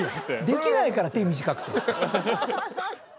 できないから手短くて。